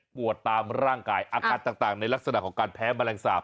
ตามร่างกายอาการต่างในลักษณะของการแพ้แมลงสาป